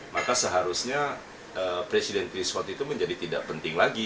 maka seharusnya presiden threshold itu menjadi tidak penting lagi